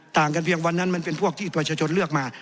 ต่างกันเพียงวันนั้นมันเป็นพวกที่ประชาชนเลือกมา